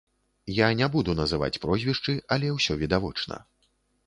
Я не буду называць прозвішчы, але ўсё відавочна.